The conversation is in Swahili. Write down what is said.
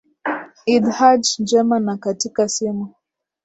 idd hajj njema na katika simu